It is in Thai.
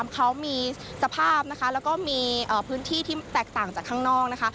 เขามีสภาพนะคะแล้วก็มีพื้นที่ที่แตกต่างจากข้างนอกนะคะ